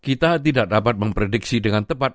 kita tidak dapat memprediksi dengan tepat